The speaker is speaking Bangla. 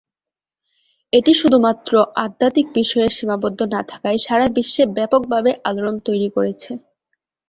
এটি শুধুমাত্র আধ্যাত্মিক বিষয়ে সীমাবদ্ধ না থাকায় সারা বিশ্বে ব্যাপক ভাবে আলোড়ন তৈরি করেছে।